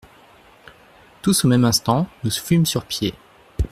Tous au même instant, nous fûmes sur pied.